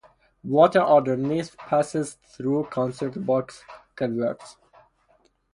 Water underneath passes through concrete box culverts.